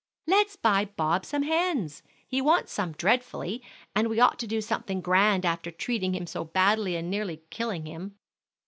"Let's buy Bob some hens. He wants some dreadfully, and we ought to do something grand after treating him so badly, and nearly killing him."